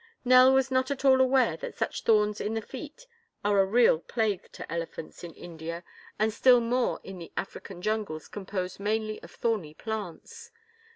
Nell was not at all aware that such thorns in the feet are a real plague to elephants in India and still more in the African jungles composed mainly of thorny plants.